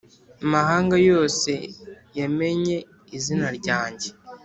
amahanga yose yamenye izina ryanjye.